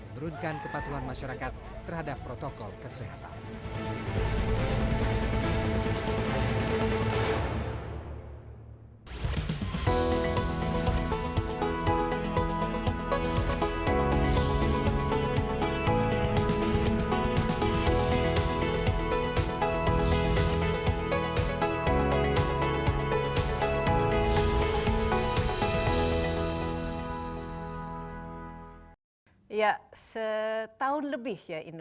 merundkan kepatuhan masyarakat terhadap protokol kesehatan